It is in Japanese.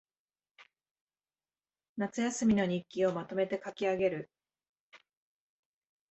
夏休みの日記をまとめて書きあげる